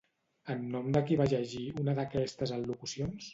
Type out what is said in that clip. En nom de qui va llegir una d'aquestes al·locucions?